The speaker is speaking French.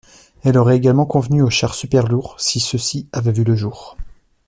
Elle aurait également convenu aux chars super-lourds, si ceux-ci avaient vu le jour.